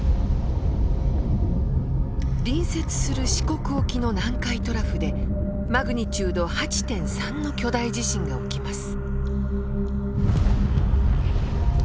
隣接する四国沖の南海トラフでマグニチュード８．３の巨大地震が起きます。